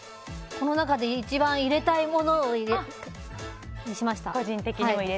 この中で一番入れたいものにしました。